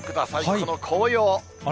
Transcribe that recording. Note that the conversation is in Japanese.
この紅葉。